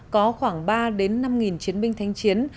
có khoảng ba năm chiến binh thanh chiến